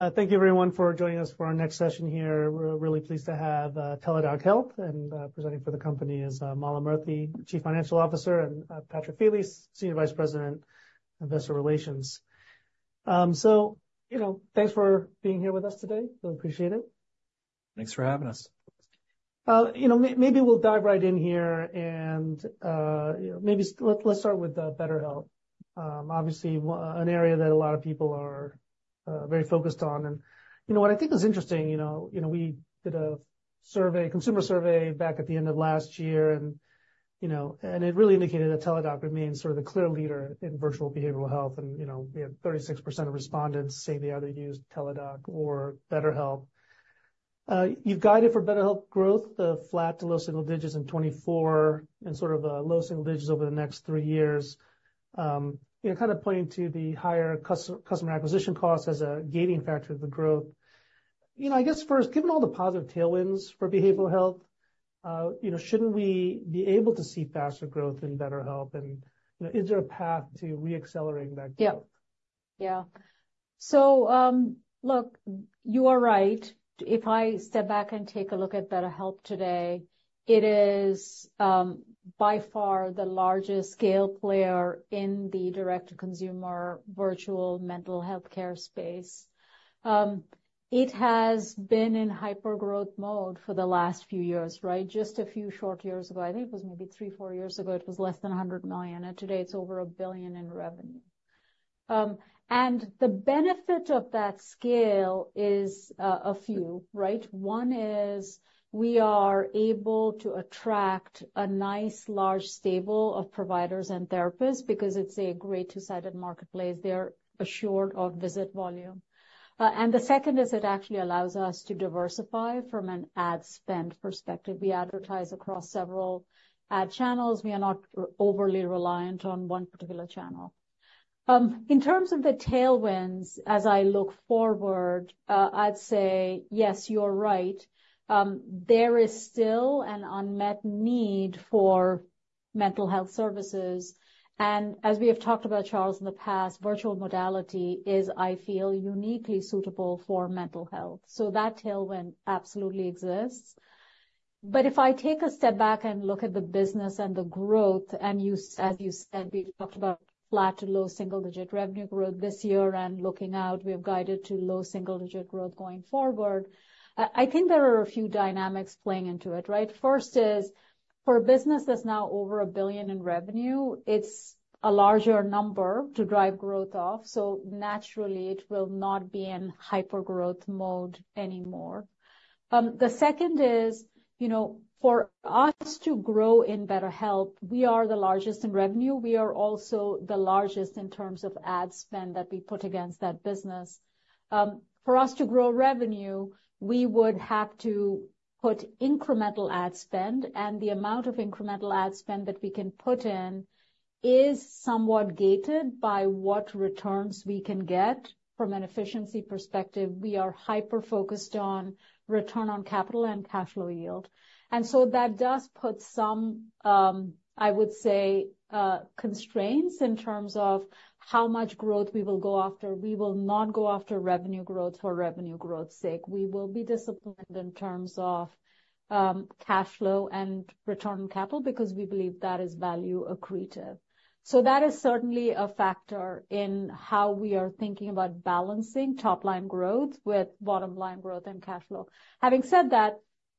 Thank you, everyone, for joining us for our next session here. We're really pleased to have Teladoc Health, and presenting for the company is Mala Murthy, Chief Financial Officer, and Patrick Feeley, Senior Vice President, Investor Relations. So, you know, thanks for being here with us today. Really appreciate it. Thanks for having us. You know, maybe we'll dive right in here and, you know, maybe let's start with BetterHelp. Obviously, an area that a lot of people are very focused on. And, you know, what I think is interesting, you know, you know, we did a survey, consumer survey, back at the end of last year, and, you know, and it really indicated that Teladoc remains sort of the clear leader in virtual behavioral health. And, you know, we had 36% of respondents say they either used Teladoc or BetterHelp. You've guided for BetterHelp growth, the flat to low single digits in 2024 and sort of low single digits over the next three years, kind of pointing to the higher customer acquisition costs as a gating factor to the growth. You know, I guess first, given all the positive tailwinds for behavioral health, you know, shouldn't we be able to see faster growth in BetterHelp? And, you know, is there a path to reaccelerating that growth? Yeah. Yeah. So, look, you are right. If I step back and take a look at BetterHelp today, it is, by far the largest scale player in the direct-to-consumer virtual mental healthcare space. It has been in hyper-growth mode for the last few years, right? Just a few short years ago, I think it was maybe three, four years ago, it was less than $100 million, and today it's over $1 billion in revenue. And the benefit of that scale is a few, right? One is we are able to attract a nice, large, stable of providers and therapists because it's a great two-sided marketplace. They're assured of visit volume. And the second is it actually allows us to diversify from an ad spend perspective. We advertise across several ad channels. We are not overly reliant on one particular channel. In terms of the tailwinds, as I look forward, I'd say, yes, you're right. There is still an unmet need for mental health services. And as we have talked about, Charles, in the past, virtual modality is, I feel, uniquely suitable for mental health. So that tailwind absolutely exists. But if I take a step back and look at the business and the growth, and you, as you said, we've talked about flat to low single-digit revenue growth this year, and looking out, we have guided to low single-digit growth going forward. I think there are a few dynamics playing into it, right? First is for a business that's now over $1 billion in revenue, it's a larger number to drive growth off. So naturally, it will not be in hyper-growth mode anymore. The second is, you know, for us to grow in BetterHelp, we are the largest in revenue. We are also the largest in terms of ad spend that we put against that business. For us to grow revenue, we would have to put incremental ad spend, and the amount of incremental ad spend that we can put in is somewhat gated by what returns we can get. From an efficiency perspective, we are hyper-focused on return on capital and cash flow yield. That does put some, I would say, constraints in terms of how much growth we will go after. We will not go after revenue growth for revenue growth's sake. We will be disciplined in terms of cash flow and return on capital because we believe that is value accretive. That is certainly a factor in how we are thinking about balancing top-line growth with bottom-line growth and cash flow. Having said that,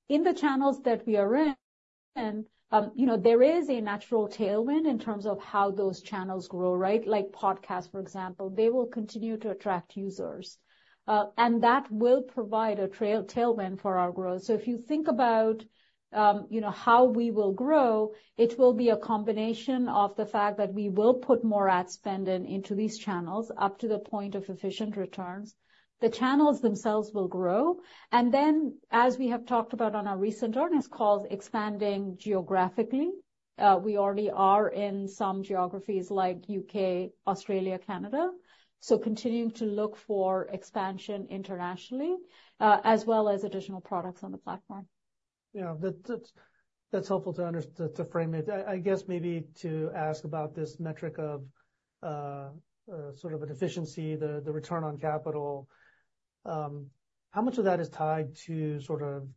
in the channels that we are in, you know, there is a natural tailwind in terms of how those channels grow, right? Like podcasts, for example, they will continue to attract users, and that will provide a tailwind for our growth. So if you think about, you know, how we will grow, it will be a combination of the fact that we will put more ad spend into these channels up to the point of efficient returns. The channels themselves will grow. And then, as we have talked about on our recent earnings calls, expanding geographically. We already are in some geographies like U.K., Australia, Canada. So continuing to look for expansion internationally, as well as additional products on the platform. Yeah, that's helpful to frame it. I guess maybe to ask about this metric of sort of an efficiency, the return on capital, how much of that is tied to sort of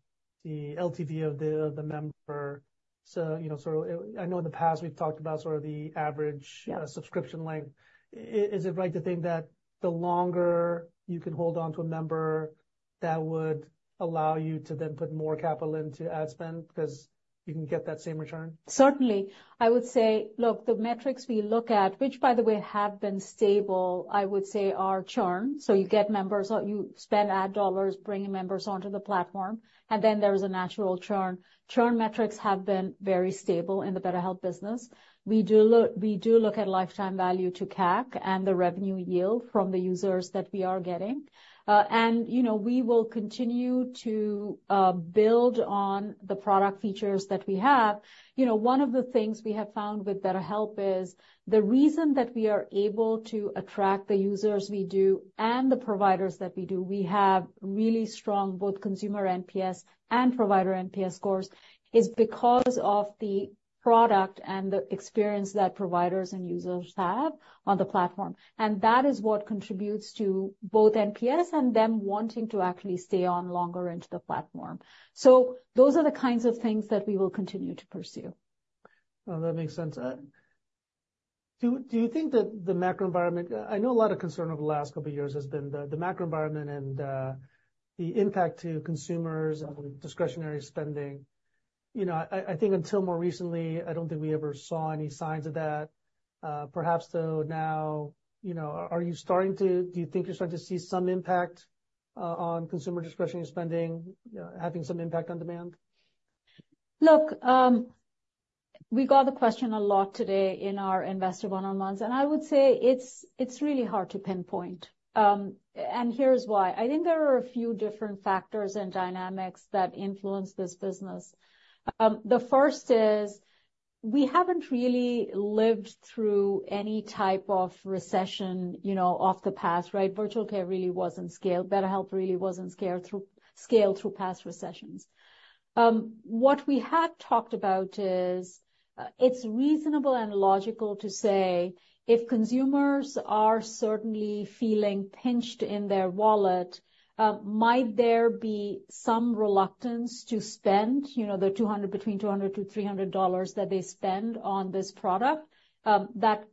the LTV of the member? So, you know, sort of I know in the past we've talked about sort of the average subscription length. Is it right to think that the longer you can hold onto a member, that would allow you to then put more capital into ad spend because you can get that same return? Certainly. I would say, look, the metrics we look at, which by the way have been stable, I would say are churn. So you get members, you spend ad dollars, bringing members onto the platform, and then there is a natural churn. Churn metrics have been very stable in the BetterHelp business. We do look at lifetime value to CAC and the revenue yield from the users that we are getting. And, you know, we will continue to build on the product features that we have. You know, one of the things we have found with BetterHelp is the reason that we are able to attract the users we do and the providers that we do, we have really strong both consumer NPS and provider NPS scores, is because of the product and the experience that providers and users have on the platform. And that is what contributes to both NPS and them wanting to actually stay on longer into the platform. So those are the kinds of things that we will continue to pursue. That makes sense. Do you think that the macro environment? I know a lot of concern over the last couple of years has been the macro environment and the impact to consumers and discretionary spending. You know, I think until more recently, I don't think we ever saw any signs of that. Perhaps though now, you know, do you think you're starting to see some impact on consumer discretionary spending, having some impact on demand? Look, we got the question a lot today in our investor one-on-ones, and I would say it's really hard to pinpoint. Here's why. I think there are a few different factors and dynamics that influence this business. The first is we haven't really lived through any type of recession, you know, off the past, right? Virtual care really wasn't scaled. BetterHelp really wasn't scaled through past recessions. What we have talked about is it's reasonable and logical to say if consumers are certainly feeling pinched in their wallet, might there be some reluctance to spend, you know, the $200 between $200-$300 that they spend on this product? That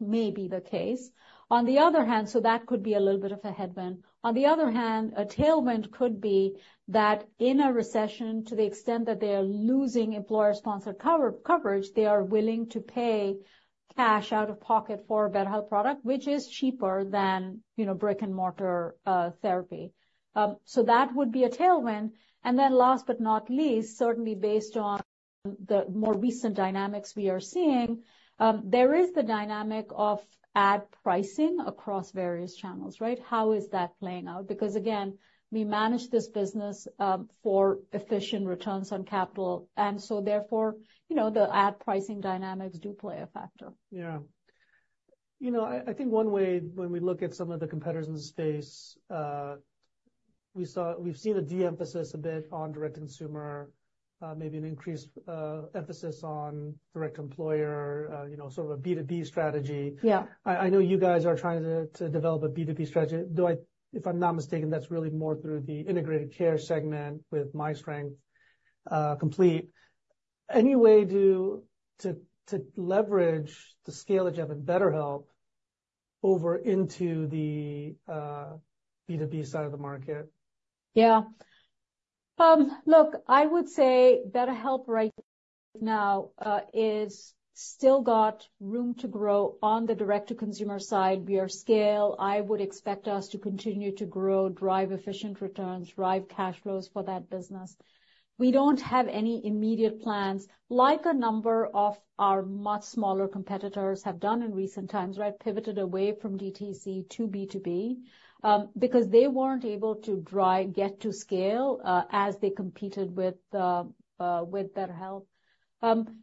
may be the case. On the other hand, so that could be a little bit of a headwind. On the other hand, a tailwind could be that in a recession, to the extent that they are losing employer-sponsored coverage, they are willing to pay cash out of pocket for a BetterHelp product, which is cheaper than, you know, brick-and-mortar therapy. So that would be a tailwind. And then last but not least, certainly based on the more recent dynamics we are seeing, there is the dynamic of ad pricing across various channels, right? How is that playing out? Because again, we manage this business for efficient returns on capital. And so therefore, you know, the ad pricing dynamics do play a factor. Yeah. You know, I think one way when we look at some of the competitors in the space, we've seen a de-emphasis a bit on direct-to-consumer, maybe an increased emphasis on direct-to-employer, you know, sort of a B2B strategy. I know you guys are trying to develop a B2B strategy. If I'm not mistaken, that's really more through the Integrated Care segment with myStrength Complete. Any way to leverage the scale that you have in BetterHelp over into the B2B side of the market? Yeah. Look, I would say BetterHelp right now is still got room to grow on the direct-to-consumer side. We are scale. I would expect us to continue to grow, drive efficient returns, drive cash flows for that business. We don't have any immediate plans, like a number of our much smaller competitors have done in recent times, right? Pivoted away from DTC to B2B because they weren't able to get to scale as they competed with BetterHelp.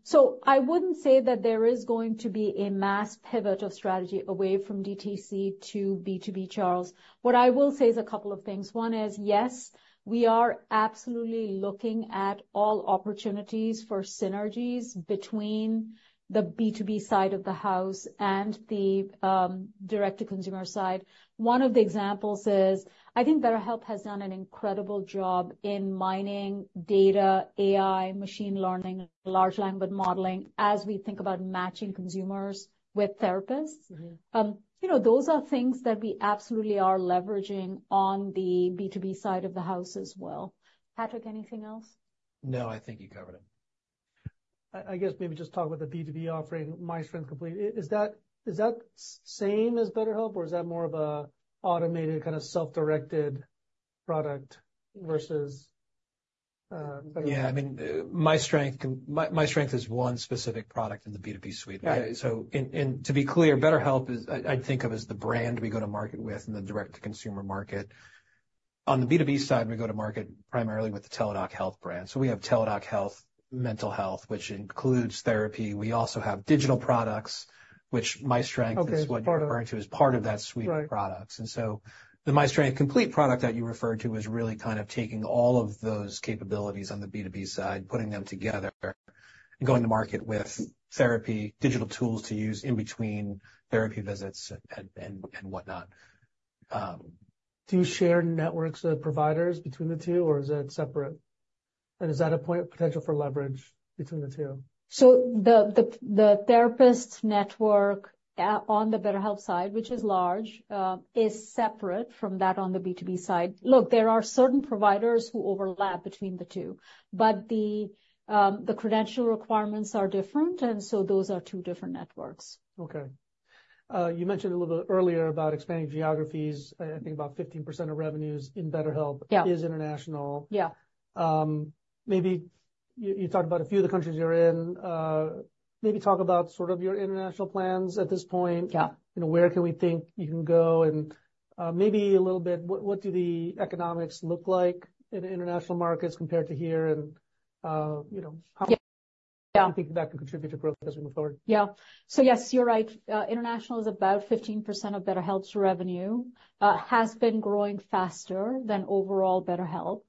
So I wouldn't say that there is going to be a mass pivot of strategy away from DTC to B2B, Charles. What I will say is a couple of things. One is, yes, we are absolutely looking at all opportunities for synergies between the B2B side of the house and the direct-to-consumer side. One of the examples is I think BetterHelp has done an incredible job in mining data, AI, machine learning, large language modeling, as we think about matching consumers with therapists. You know, those are things that we absolutely are leveraging on the B2B side of the house as well. Patrick, anything else? No, I think you covered it. I guess maybe just talk about the B2B offering, myStrength Complete. Is that same as BetterHelp, or is that more of an automated kind of self-directed product versus BetterHelp? Yeah, I mean, myStrength is one specific product in the B2B suite. So to be clear, BetterHelp is, I think of as the brand we go to market with in the direct-to-consumer market. On the B2B side, we go to market primarily with the Teladoc Health brand. So we have Teladoc Health Mental Health, which includes therapy. We also have digital products, which myStrength is what you referred to as part of that suite of products. And so the myStrength Complete product that you referred to is really kind of taking all of those capabilities on the B2B side, putting them together, and going to market with therapy, digital tools to use in between therapy visits and whatnot. Do you share networks of providers between the two, or is that separate? And is that a potential for leverage between the two? So the therapist network on the BetterHelp side, which is large, is separate from that on the B2B side. Look, there are certain providers who overlap between the two, but the credential requirements are different. So those are two different networks. Okay. You mentioned a little bit earlier about expanding geographies. I think about 15% of revenues in BetterHelp is international. Maybe you talked about a few of the countries you're in. Maybe talk about sort of your international plans at this point. Where can we think you can go? And maybe a little bit, what do the economics look like in international markets compared to here? And how do you think that could contribute to growth as we move forward? Yeah. So yes, you're right. International is about 15% of BetterHelp's revenue. It has been growing faster than overall BetterHelp.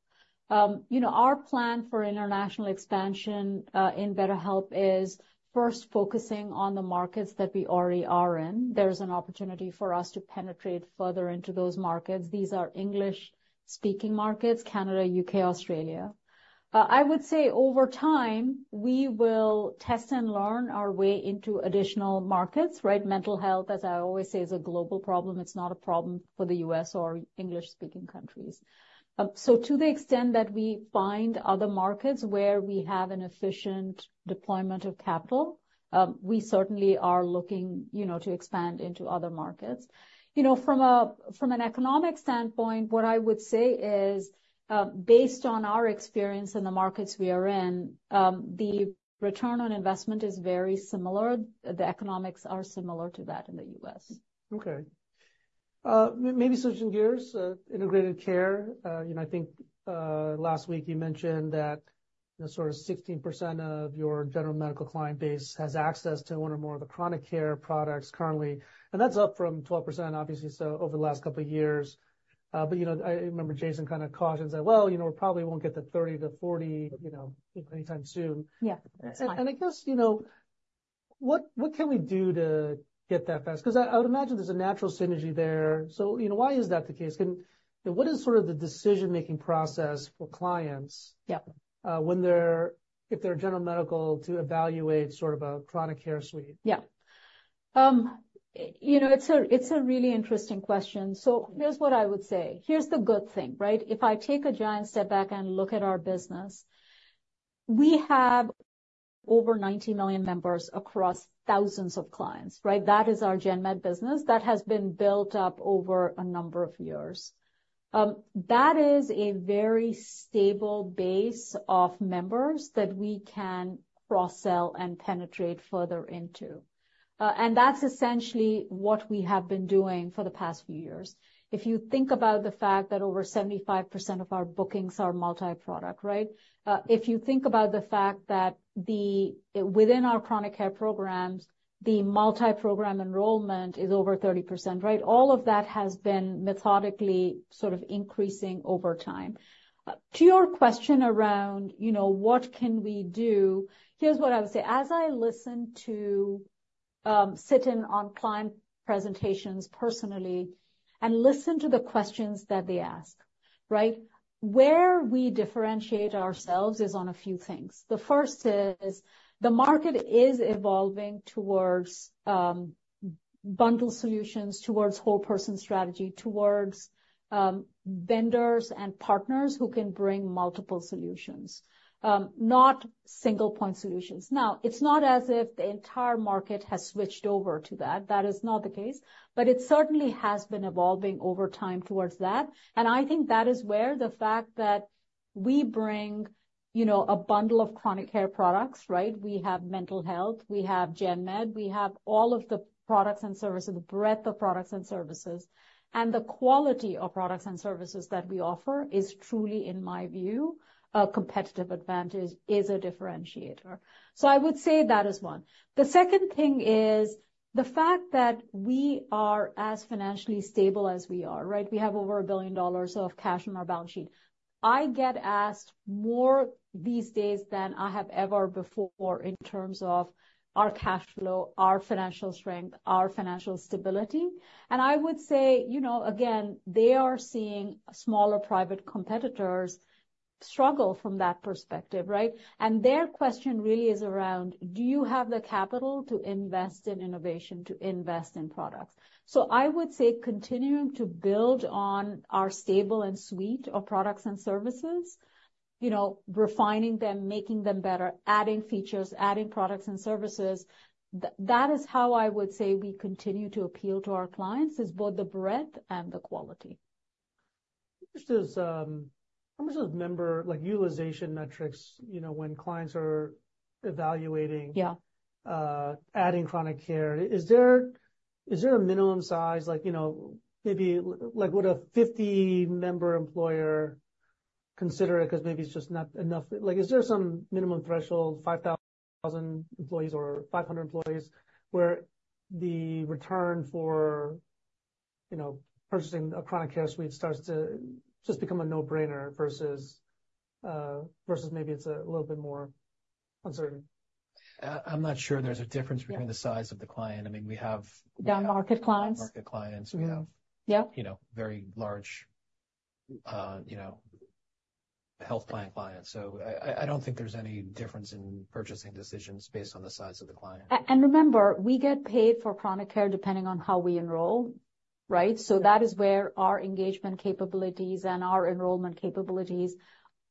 Our plan for international expansion in BetterHelp is first focusing on the markets that we already are in. There's an opportunity for us to penetrate further into those markets. These are English-speaking markets: Canada, U.K., Australia. I would say over time, we will test and learn our way into additional markets, right? Mental health, as I always say, is a global problem. It's not a problem for the U.S. or English-speaking countries. So to the extent that we find other markets where we have an efficient deployment of capital, we certainly are looking to expand into other markets. From an economic standpoint, what I would say is based on our experience in the markets we are in, the return on investment is very similar. The economics are similar to that in the U.S. Okay. Maybe switching gears, integrated care. I think last week you mentioned that sort of 16% of your general medical client base has access to one or more of the chronic care products currently. And that's up from 12%, obviously, over the last couple of years. But I remember Jason kind of cautioned and said, "Well, we probably won't get the 30%-40% anytime soon." And I guess what can we do to get that fast? Because I would imagine there's a natural synergy there. So why is that the case? What is sort of the decision-making process for clients if they're general medical to evaluate sort of a chronic care suite? Yeah. It's a really interesting question. So here's what I would say. Here's the good thing, right? If I take a giant step back and look at our business, we have over 90 million members across thousands of clients, right? That is our GenMed business that has been built up over a number of years. That is a very stable base of members that we can cross-sell and penetrate further into. And that's essentially what we have been doing for the past few years. If you think about the fact that over 75% of our bookings are multi-product, right? If you think about the fact that within our chronic care programs, the multi-program enrollment is over 30%, right? All of that has been methodically sort of increasing over time. To your question around what can we do, here's what I would say. As I sit in on client presentations personally and listen to the questions that they ask, right? Where we differentiate ourselves is on a few things. The first is the market is evolving towards bundle solutions, towards whole-person strategy, towards vendors and partners who can bring multiple solutions, not single-point solutions. Now, it's not as if the entire market has switched over to that. That is not the case. But it certainly has been evolving over time towards that. And I think that is where the fact that we bring a bundle of chronic care products, right? We have mental health. We have GenMed. We have all of the products and services, the breadth of products and services. And the quality of products and services that we offer is truly, in my view, a competitive advantage, is a differentiator. So I would say that is one. The second thing is the fact that we are as financially stable as we are, right? We have over $1 billion of cash on our balance sheet. I get asked more these days than I have ever before in terms of our cash flow, our financial strength, our financial stability. I would say, again, they are seeing smaller private competitors struggle from that perspective, right? Their question really is around, do you have the capital to invest in innovation, to invest in products? I would say continuing to build on our stable and suite of products and services, refining them, making them better, adding features, adding products and services. That is how I would say we continue to appeal to our clients, is both the breadth and the quality. How much does member utilization metrics when clients are evaluating adding chronic care, is there a minimum size? Maybe would a 50-member employer consider it because maybe it's just not enough? Is there some minimum threshold, 5,000 employees or 500 employees, where the return for purchasing a chronic care suite starts to just become a no-brainer versus maybe it's a little bit more uncertain? I'm not sure there's a difference between the size of the client. I mean, we have. Down-market clients? Down-market clients. We have very large health plan clients. I don't think there's any difference in purchasing decisions based on the size of the client. And remember, we get paid for chronic care depending on how we enroll, right? So that is where our engagement capabilities and our enrollment capabilities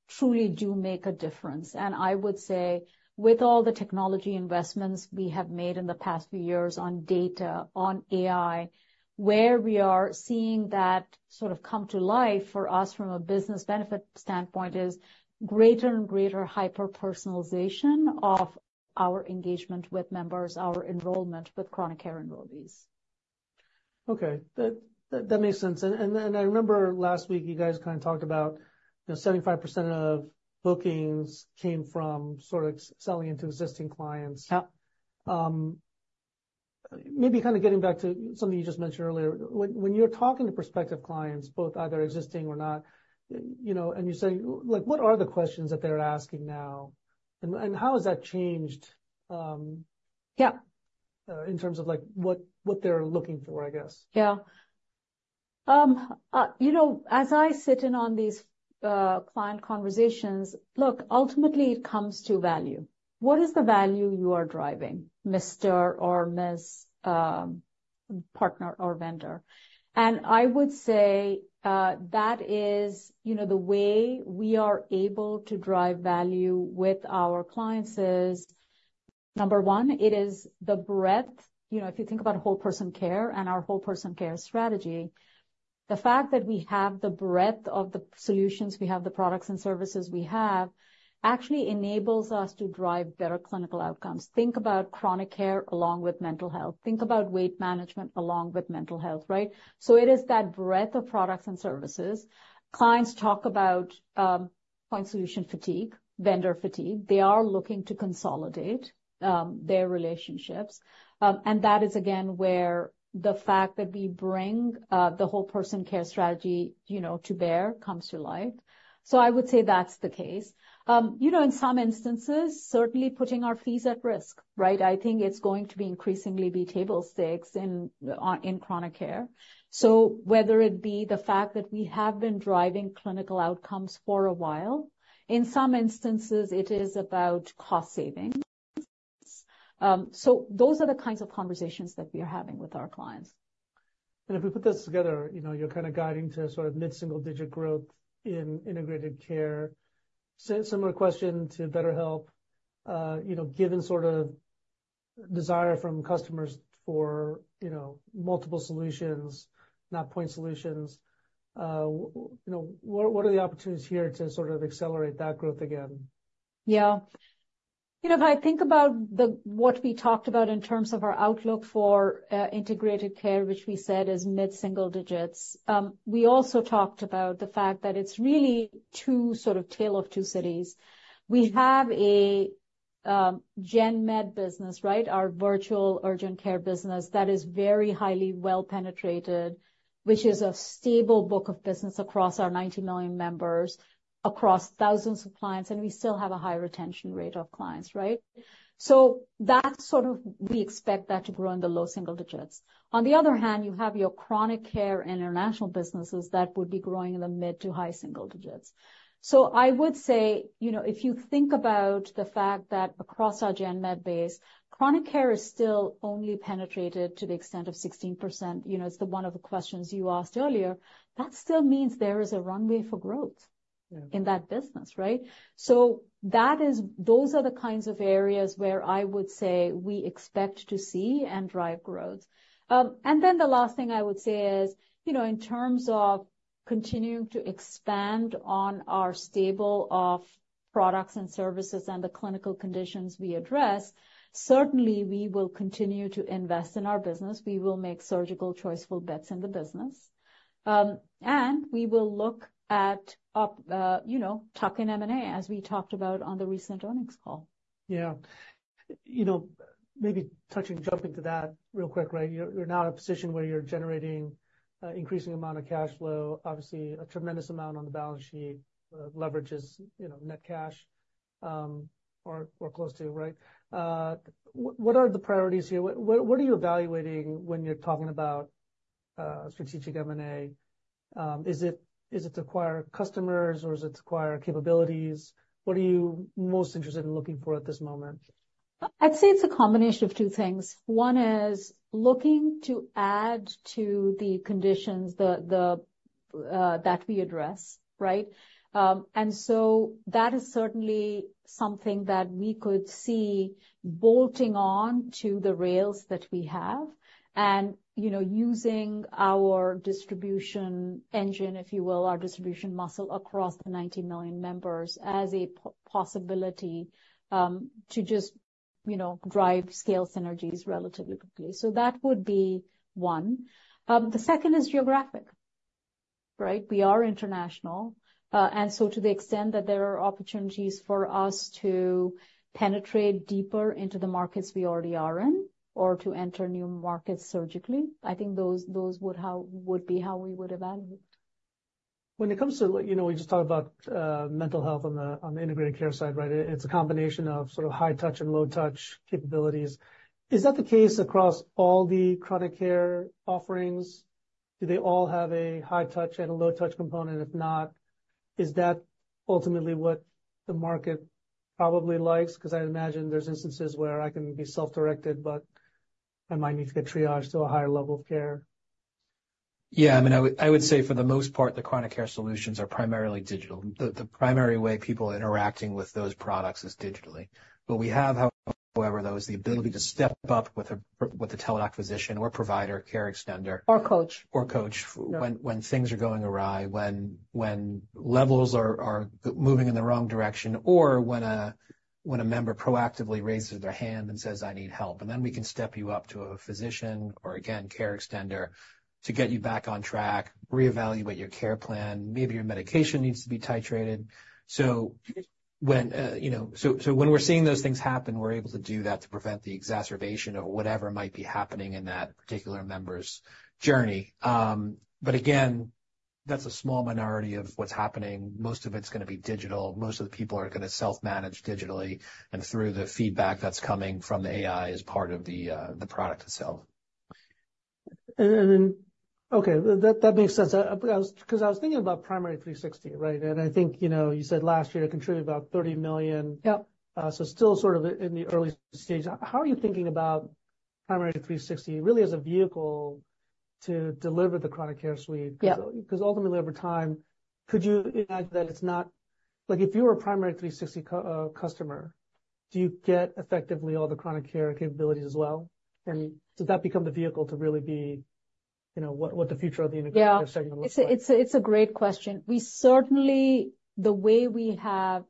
truly do make a difference. And I would say, with all the technology investments we have made in the past few years on data, on AI, where we are seeing that sort of come to life for us from a business benefit standpoint, is greater and greater hyper-personalization of our engagement with members, our enrollment with chronic care enrollees. Okay. That makes sense. I remember last week you guys kind of talked about 75% of bookings came from sort of selling into existing clients. Maybe kind of getting back to something you just mentioned earlier. When you're talking to prospective clients, both either existing or not, and you're saying, what are the questions that they're asking now? And how has that changed in terms of what they're looking for, I guess? Yeah. As I sit in on these client conversations, look, ultimately, it comes to value. What is the value you are driving, Mr. or Ms. partner or vendor? And I would say that is the way we are able to drive value with our clients is, number one, it is the breadth. If you think about Whole-Person Care and our Whole-Person Care strategy, the fact that we have the breadth of the solutions, we have the products and services we have, actually enables us to drive better clinical outcomes. Think about chronic care along with mental health. Think about weight management along with mental health, right? So it is that breadth of products and services. Clients talk about point solution fatigue, vendor fatigue. They are looking to consolidate their relationships. And that is, again, where the fact that we bring the Whole-Person Care strategy to bear comes to life. So I would say that's the case. In some instances, certainly putting our fees at risk, right? I think it's going to increasingly be table stakes in chronic care. So whether it be the fact that we have been driving clinical outcomes for a while, in some instances, it is about cost savings. So those are the kinds of conversations that we are having with our clients. If we put this together, you're kind of guiding to sort of mid-single-digit growth in Integrated Care. Similar question to BetterHelp. Given sort of desire from customers for multiple solutions, not point solutions, what are the opportunities here to sort of accelerate that growth again? Yeah. If I think about what we talked about in terms of our outlook for Integrated Care, which we said is mid-single digits, we also talked about the fact that it's really sort of tale of two cities. We have a GenMed business, right? Our virtual urgent care business that is very highly well-penetrated, which is a stable book of business across our 90 million members, across thousands of clients. And we still have a high retention rate of clients, right? So that's sort of we expect that to grow in the low single digits. On the other hand, you have your chronic care international businesses that would be growing in the mid- to high-single digits. So I would say if you think about the fact that across our GenMed base, chronic care is still only penetrated to the extent of 16%, it's the one of the questions you asked earlier, that still means there is a runway for growth in that business, right? So those are the kinds of areas where I would say we expect to see and drive growth. And then the last thing I would say is in terms of continuing to expand on our stable of products and services and the clinical conditions we address, certainly, we will continue to invest in our business. We will make surgical choicefull bets in the business. And we will look at tuck-in M&A as we talked about on the recent earnings call. Yeah. Maybe touching, jumping to that real quick, right? You're now in a position where you're generating an increasing amount of cash flow, obviously, a tremendous amount on the balance sheet, leverages, net cash, or close to, right? What are the priorities here? What are you evaluating when you're talking about strategic M&A? Is it to acquire customers, or is it to acquire capabilities? What are you most interested in looking for at this moment? I'd say it's a combination of two things. One is looking to add to the conditions that we address, right? And so that is certainly something that we could see bolting on to the rails that we have and using our distribution engine, if you will, our distribution muscle across the 90 million members as a possibility to just drive scale synergies relatively quickly. So that would be one. The second is geographic, right? We are international. And so to the extent that there are opportunities for us to penetrate deeper into the markets we already are in or to enter new markets surgically, I think those would be how we would evaluate. When it comes to we just talked about mental health on the Integrated Care side, right? It's a combination of sort of high touch and low touch capabilities. Is that the case across all the chronic care offerings? Do they all have a high touch and a low touch component? If not, is that ultimately what the market probably likes? Because I imagine there's instances where I can be self-directed, but I might need to get triaged to a higher level of care. Yeah. I mean, I would say for the most part, the chronic care solutions are primarily digital. The primary way people are interacting with those products is digitally. What we have, however, though, is the ability to step up with the Teladoc physician or provider, care extender. Or coach. Or coach when things are going awry, when levels are moving in the wrong direction, or when a member proactively raises their hand and says, "I need help." And then we can step you up to a physician or, again, care extender to get you back on track, reevaluate your care plan. Maybe your medication needs to be titrated. So when we're seeing those things happen, we're able to do that to prevent the exacerbation of whatever might be happening in that particular member's journey. But again, that's a small minority of what's happening. Most of it's going to be digital. Most of the people are going to self-manage digitally. And through the feedback that's coming from the AI as part of the product itself. Okay. That makes sense. Because I was thinking about Primary360, right? And I think you said last year it contributed about $30 million. So still sort of in the early stage. How are you thinking about Primary360 really as a vehicle to deliver the chronic care suite? Because ultimately, over time, could you imagine that it's not if you were a Primary360 customer, do you get effectively all the chronic care capabilities as well? And does that become the vehicle to really be what the future of the Integrated Care segment will be? Yeah. It's a great question. The way we have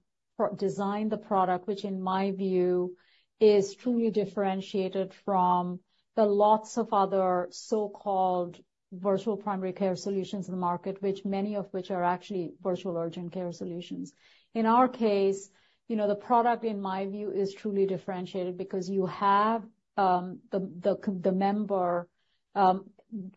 designed the product, which in my view is truly differentiated from a lot of other so-called virtual primary care solutions in the market, many of which are actually virtual urgent care solutions. In our case, the product, in my view, is truly differentiated because you have the member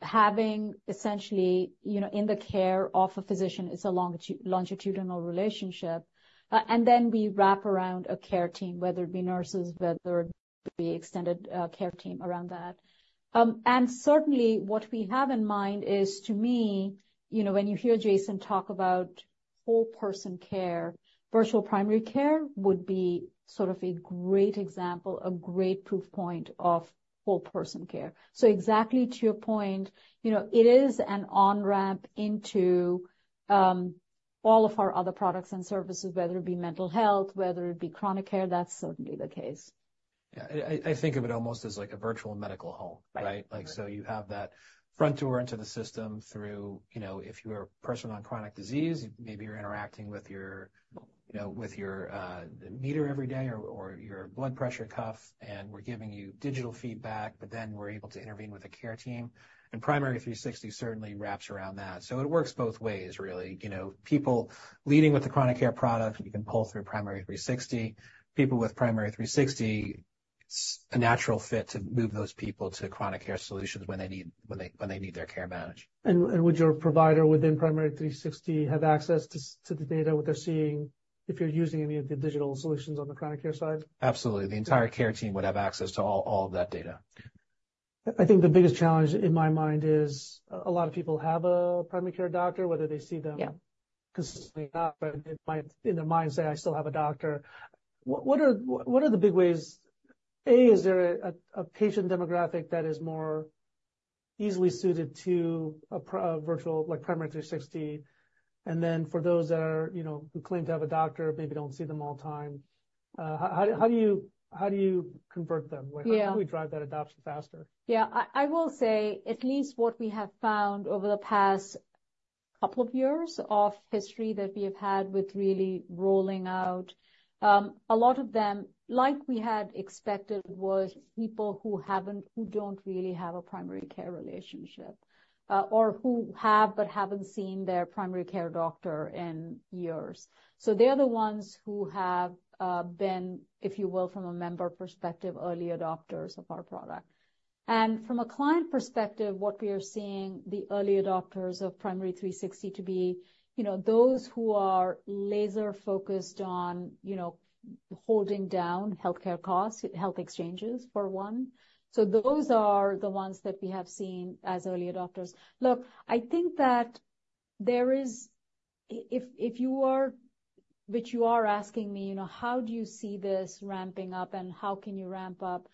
having essentially in the care of a physician; it's a longitudinal relationship. And then we wrap around a care team, whether it be nurses, whether it be extended care team around that. And certainly, what we have in mind is, to me, when you hear Jason talk about Whole-Person Care, virtual primary care would be sort of a great example, a great proof point of Whole-Person Care. Exactly to your point, it is an on-ramp into all of our other products and services, whether it be mental health, whether it be chronic care, that's certainly the case. Yeah. I think of it almost as a virtual medical home, right? So you have that front door into the system through, if you're a person on chronic disease, maybe you're interacting with your meter every day or your blood pressure cuff, and we're giving you digital feedback, but then we're able to intervene with a care team. And Primary360 certainly wraps around that. So it works both ways, really. People leading with the chronic care product, you can pull through Primary360. People with Primary360, it's a natural fit to move those people to chronic care solutions when they need their care managed. Would your provider within Primary360 have access to the data, what they're seeing, if you're using any of the digital solutions on the chronic care side? Absolutely. The entire care team would have access to all of that data. I think the biggest challenge in my mind is a lot of people have a primary care doctor, whether they see them consistently or not, but in their mind, say, "I still have a doctor." What are the big ways? A, is there a patient demographic that is more easily suited to a virtual Primary360? And then for those that claim to have a doctor, maybe don't see them all the time, how do you convert them? How do we drive that adoption faster? Yeah. I will say at least what we have found over the past couple of years of history that we have had with really rolling out, a lot of them, like we had expected, was people who don't really have a primary care relationship or who have but haven't seen their primary care doctor in years. So they are the ones who have been, if you will, from a member perspective, early adopters of our product. And from a client perspective, what we are seeing, the early adopters of Primary360 to be those who are laser-focused on holding down healthcare costs, health exchanges, for one. So those are the ones that we have seen as early adopters. Look, I think that there is if you are which you are asking me, how do you see this ramping up, and how can you ramp up?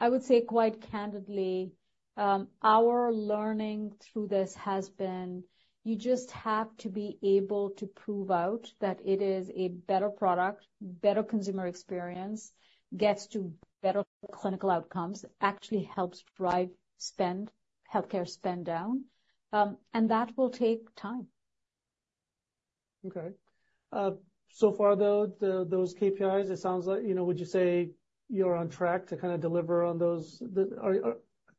I would say quite candidly, our learning through this has been you just have to be able to prove out that it is a better product, better consumer experience, gets to better clinical outcomes, actually helps drive healthcare spend down. That will take time. Okay. So far, though, those KPIs, it sounds like would you say you're on track to kind of deliver on those?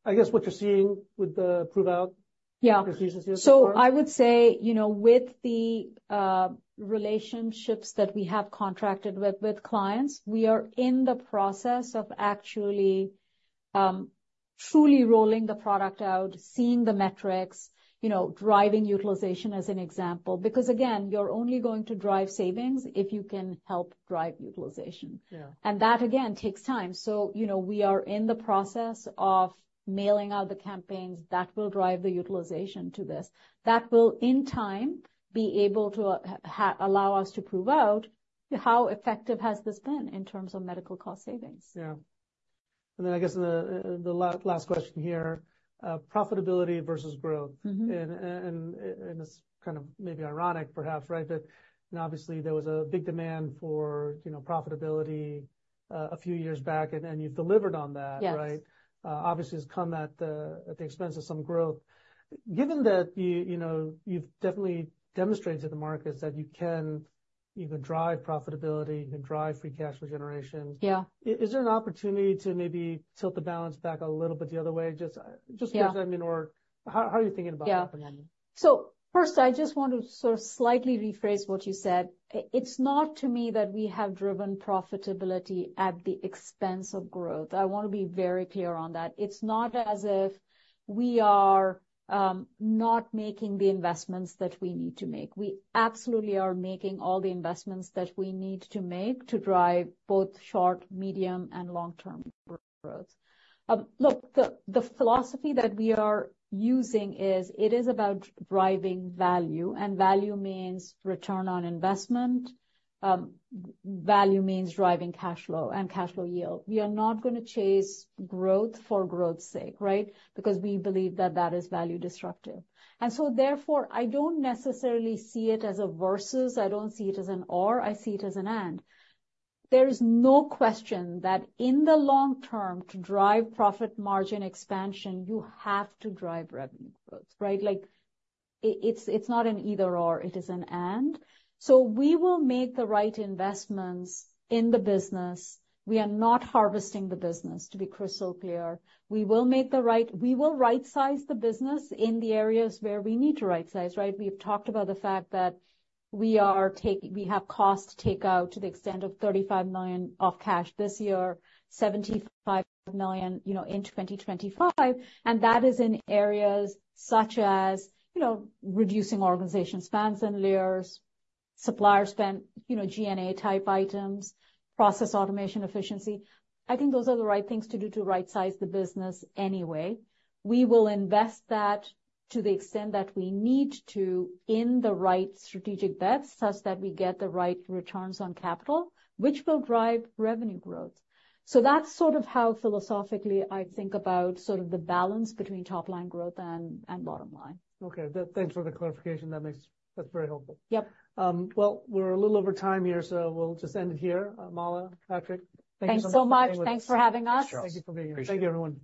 I guess what you're seeing with the prove out efficiencies so far? Yeah. So I would say with the relationships that we have contracted with clients, we are in the process of actually truly rolling the product out, seeing the metrics, driving utilization as an example. Because again, you're only going to drive savings if you can help drive utilization. And that, again, takes time. So we are in the process of mailing out the campaigns that will drive the utilization to this. That will, in time, be able to allow us to prove out how effective has this been in terms of medical cost savings. Yeah. And then I guess the last question here, profitability versus growth. And it's kind of maybe ironic, perhaps, right? But obviously, there was a big demand for profitability a few years back, and you've delivered on that, right? Obviously, it's come at the expense of some growth. Given that you've definitely demonstrated to the markets that you can drive profitability, you can drive free cash flow generation, is there an opportunity to maybe tilt the balance back a little bit the other way? Just because I mean, or how are you thinking about that at the moment? Yeah. So first, I just want to sort of slightly rephrase what you said. It's not to me that we have driven profitability at the expense of growth. I want to be very clear on that. It's not as if we are not making the investments that we need to make. We absolutely are making all the investments that we need to make to drive both short, medium, and long-term growth. Look, the philosophy that we are using is it is about driving value. And value means return on investment. Value means driving cash flow and cash flow yield. We are not going to chase growth for growth's sake, right? Because we believe that that is value destructive. And so therefore, I don't necessarily see it as a versus. I don't see it as an or. I see it as an and. There is no question that in the long term, to drive profit margin expansion, you have to drive revenue growth, right? It's not an either/or. It is an and. So we will make the right investments in the business. We are not harvesting the business, to be crystal clear. We will right-size the business in the areas where we need to right-size, right? We have talked about the fact that we have cost takeout to the extent of $35 million of cash this year, $75 million in 2025. And that is in areas such as reducing organization spans and layers, supplier spend, G&A type items, process automation efficiency. I think those are the right things to do to right-size the business anyway. We will invest that to the extent that we need to in the right strategic bets such that we get the right returns on capital, which will drive revenue growth. That's sort of how philosophically I think about sort of the balance between top-line growth and bottom line. Okay. Thanks for the clarification. That's very helpful. Well, we're a little over time here, so we'll just end it here. Mala, Patrick, thank you so much. Thanks so much. Thanks for having us. Thank you for being here. Thank you, everyone.